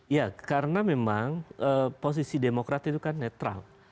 ya karena memang posisi demokrat itu kan netral